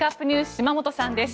島本さんです。